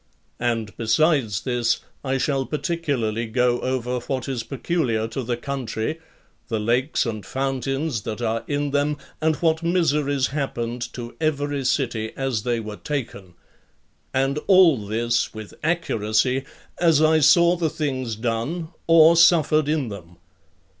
And, besides this, I shall particularly go over what is peculiar to the country, the lakes and fountains that are in them, and what miseries happened to every city as they were taken; and all this with accuracy, as I saw the things done, or suffered in them.